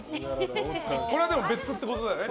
これは別ってことだよね。